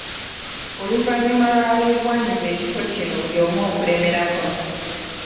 Oluvannyuma lw’abeegwanyiza ekifo kino buli omu okulemerako.